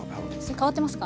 変わってますか？